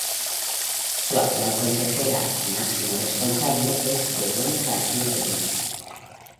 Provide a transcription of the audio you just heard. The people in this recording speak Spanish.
Su actual consejera y máximo responsable es Begoña García Bernal.